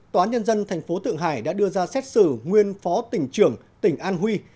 tòa án nhân dân tp thượng hải đã đưa ra xét xử nguyên phó tỉnh trưởng tỉnh an huy